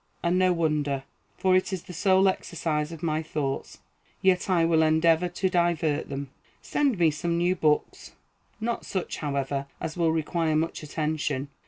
And no wonder, for it is the sole exercise of my thoughts. Yet I will endeavor to divert them. Send me some new books; not such, however, as will require much attention.